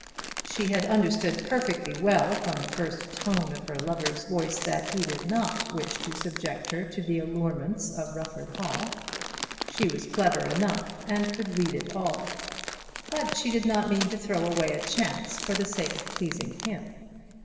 She had understood perfectly well from the first tone of her lover's voice that he did not wish to subject her to the allurements of Rufford Hall. She was clever enough, and could read it all. But she did not mean to throw away a chance for the sake of pleasing him.